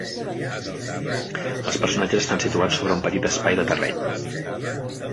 Els personatges estan situats sobre un petit espai de terreny.